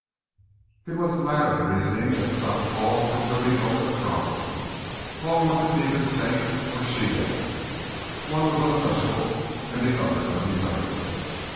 It was the latter reasoning that stopped Paul from brooding over the problem. Paul wanted neither saint nor she devil. One was untouchable and the other undesirable.